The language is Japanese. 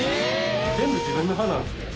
全部自分の歯なんですね。